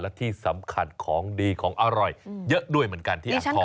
และที่สำคัญของดีของอร่อยเยอะด้วยเหมือนกันที่อ่างทอง